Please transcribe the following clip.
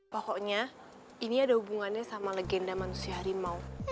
pokoknya ini ada hubungannya sama legenda manusia harimau